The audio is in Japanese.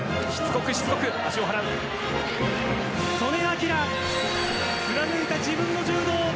素根輝、貫いた自分の柔道。